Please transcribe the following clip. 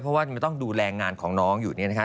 เพราะว่ามันต้องดูแลงานของน้องอยู่เนี่ยนะคะ